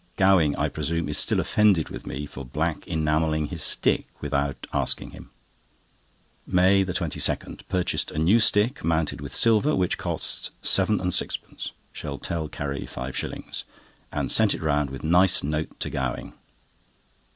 Gowing, I presume, is still offended with me for black enamelling his stick without asking him. MAY 22.—Purchased a new stick mounted with silver, which cost seven and sixpence (shall tell Carrie five shillings), and sent it round with nice note to Gowing.